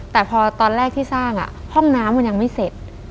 แต่พอตอนแรกที่สร้างห้องน้ำมันยังไม่เสร็จ